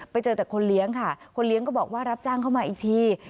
ไปเจอแต่คนเลี้ยงค่ะคนเลี้ยงก็บอกว่ารับจ้างเข้ามาอีกที